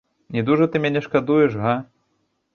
І дужа ты мяне шкадуеш, га?